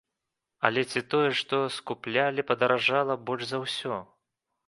Але ці тое, што скуплялі, падаражала больш за ўсё?